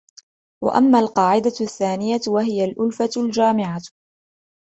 وَأَمَّا الْقَاعِدَةُ الثَّانِيَةُ وَهِيَ الْأُلْفَةُ الْجَامِعَةُ